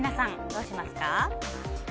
そうしますか！